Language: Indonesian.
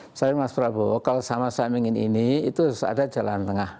misalnya mas prabowo kalau sama saya ingin ini itu ada jalan tengah